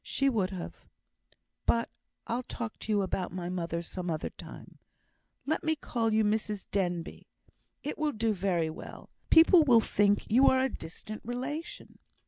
"She would have But I'll talk to you about my mother some other time. Let me call you Mrs Denbigh. It will do very well, too. People will think you are a distant relation."